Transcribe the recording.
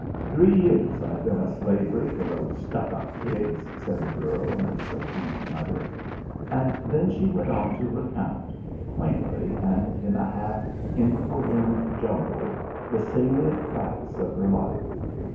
"Three years I've been a slavey for those stuck up pigs," said the girl in a subdued mutter, and then she went on to recount, quaintly and in a half incoherent jumble, the salient facts of her life.